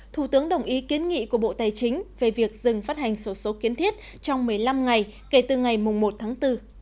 thủ tướng đồng ý kiến nghị của bộ tài chính về việc dừng phát hành sổ số kiến thiết trong một mươi năm ngày kể từ ngày một tháng bốn